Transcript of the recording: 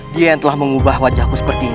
dia yang telah mengubah wajahku seperti ini